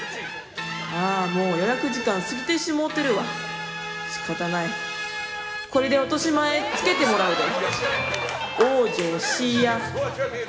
ああ、もう予約時間過ぎてしもうてるわ仕方ないこれで落とし前つけてもらうで往生しいや！